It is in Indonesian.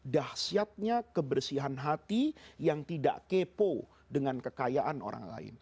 dahsyatnya kebersihan hati yang tidak kepo dengan kekayaan orang lain